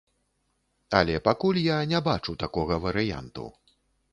Але пакуль я не бачу такога варыянту.